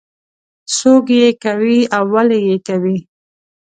څوک یې کوي او ولې یې کوي.